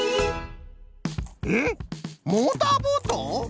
ええっモーターボート！？